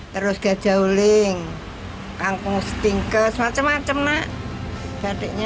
terus gajahuling kangkung setingkes macam macam nak batiknya